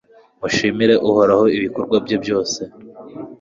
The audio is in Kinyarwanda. mushimire uhoraho ibikorwa bye byose